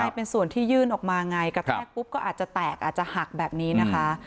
แต่ส่วนที่ยืนออกมายังไงกระแกกวุบก็อาจจะแตกอาจจะหักแบบนี้นะคะ